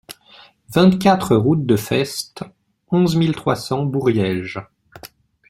vingt-quatre route de Festes, onze mille trois cents Bouriège